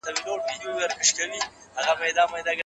پښتورګي د بدن د اضافي موادو پاکولو مهمه برخه ده.